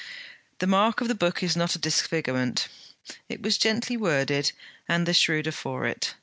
'The mark of the book is not a disfigurement.' It was gently worded, and the shrewder for it.